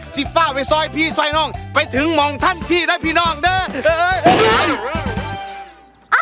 ซิฟ่าไว้ซอยพี่ซอยน้องไปถึงหมองท่านที่นะพี่น้องเด้อเฮ้ยเฮ้ยเฮ้ย